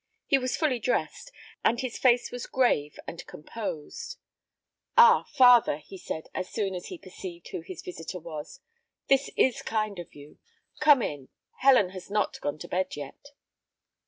He was fully dressed, and his face was grave and composed. "Ah, father!" he said, as soon as he perceived who his visitor was, "this is kind of you. Come in. Helen has not gone to bed yet."